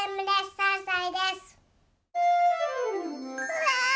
うわ！